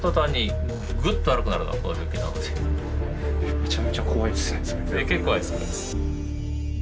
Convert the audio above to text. めちゃめちゃ怖いですね。